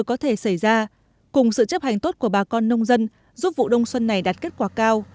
có thể xảy ra cùng sự chấp hành tốt của bà con nông dân giúp vụ đông xuân này đạt kết quả cao